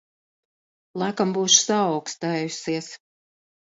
Laikam būšu saaukstējusies.